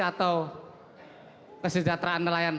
atau kesejahteraan nelayan